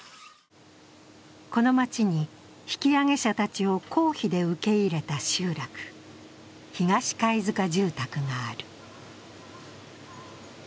この街に、引揚者たちを公費で受け入れた集落、東貝塚住宅がある。